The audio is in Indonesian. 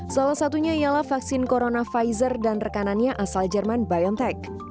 salah satunya ialah vaksin corona pfizer dan rekanannya asal jerman biontech